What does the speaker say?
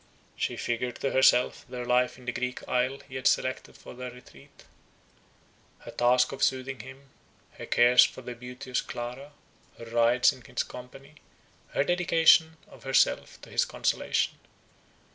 She figured to herself their life in the Greek isle he had selected for their retreat; her task of soothing him; her cares for the beauteous Clara, her rides in his company, her dedication of herself to his consolation.